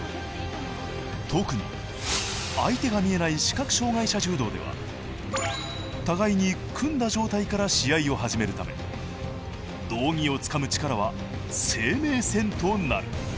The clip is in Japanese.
特に相手が見えない視覚障がい者柔道では互いに組んだ状態から試合を始めるため道着をつかむ力は生命線となる。